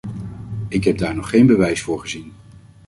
Ik heb daar nog geen bewijs voor gezien.